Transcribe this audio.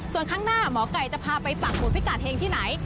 ส่วนข้างหน้าหมอไก่จะพาไปปักหมุดพิกัดเฮงที่ไหน